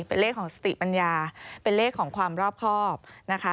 เป็นเลขของสติปัญญาเป็นเลขของความรอบครอบนะคะ